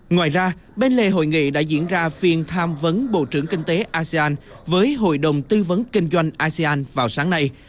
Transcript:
ngoài ra bên lề hội nghị đã diễn ra phiên tham vấn bộ trưởng kinh tế asean với hội đồng tư vấn kinh doanh asean vào sáng nay